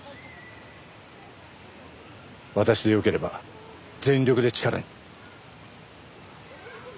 私でよければ全力で力に。